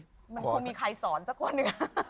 มันคงมีใครสอนสักคนหนึ่ง